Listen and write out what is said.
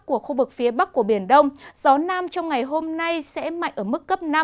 của khu vực phía bắc của biển đông gió nam trong ngày hôm nay sẽ mạnh ở mức cấp năm